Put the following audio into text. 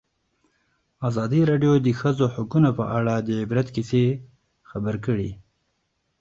ازادي راډیو د د ښځو حقونه په اړه د عبرت کیسې خبر کړي.